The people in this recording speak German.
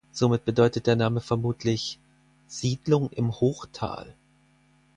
Somit bedeutet der Name vermutlich "Siedlung im Hochtal".